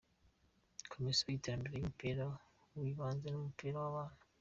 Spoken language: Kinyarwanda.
Komisiyo y’iterambere ry’umupira w’ibanze n’umupira w’abana.